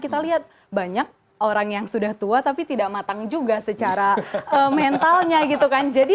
kita lihat banyak orang yang sudah tua tapi tidak matang juga secara mentalnya gitu kan jadi